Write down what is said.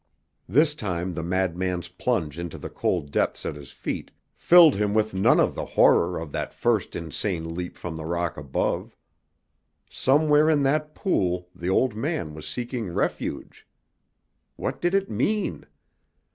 This time the madman's plunge into the cold depths at his feet filled him with none of the horror of that first insane leap from the rock above. Somewhere in that pool the old man was seeking refuge! What did it mean?